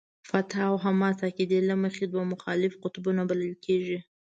فتح او حماس د عقیدې له مخې دوه مخالف قطبونه بلل کېږي.